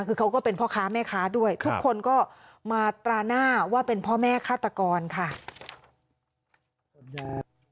คือเขาก็เป็นพ่อค้าแม่ค้าด้วยทุกคนก็มาตราหน้าว่าเป็นพ่อแม่ฆาตกรค่ะ